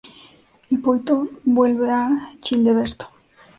El Poitou vuelve a Childeberto.